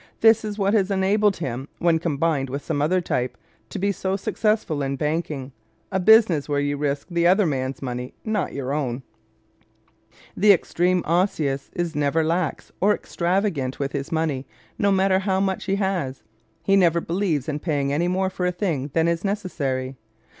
This is what has enabled him, when combined with some other type, to be so successful in banking a business where you risk the other man's money, not your own. The extreme Osseous is never lax or extravagant with his money no matter how much he has. He never believes in paying any more for a thing than is necessary.